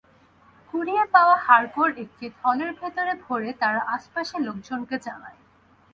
কুড়িয়ে পাওয়া হাড়গোড় একটি থলের ভেতরে ভরে তারা আশপাশের লোকজনকে জানায়।